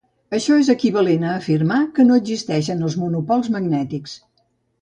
Això és equivalent a afirmar que no existeixen els monopols magnètics.